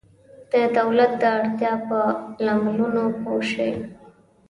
د دولت د اړتیا په لاملونو پوه شئ.